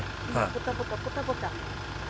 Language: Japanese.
ポタポタポタポタ。